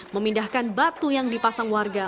memindahkan batu yang dipasang warga